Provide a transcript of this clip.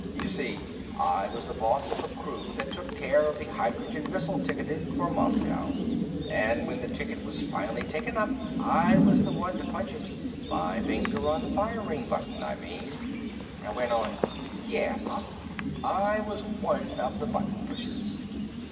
You see, I was the boss of the crew that took care of the hydrogen missile ticketed for Moscow, and when the ticket was finally taken up I was the one to punch it. My finger on the firing button, I mean." I went on, "Yeah, Pop, I was one of the button pushers.